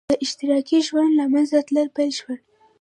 د اشتراکي ژوند له منځه تلل پیل شول.